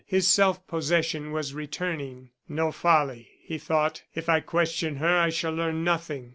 His self possession was returning. "No folly," he thought, "if I question her, I shall learn nothing.